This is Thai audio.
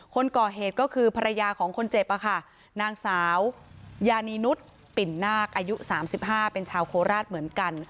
คนก่อเหตุก็คือภรรยาของคนเจ็บค่ะนางสาวยานีนุษย์ปิ่นนาคอายุ๓๕เป็นชาวโคราชเหมือนกัน